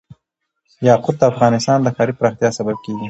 یاقوت د افغانستان د ښاري پراختیا سبب کېږي.